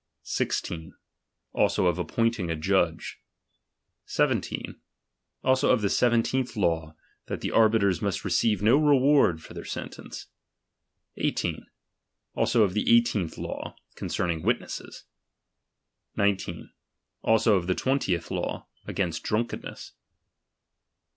16. Also of appointing a judge. 17. Also of the seventeenth law, that the arbiters must receive no reward for their sen tence. 18. Also of the eighteenth law, coQCerning witnesses. 19. Also of the twentieth law, against drunkenness.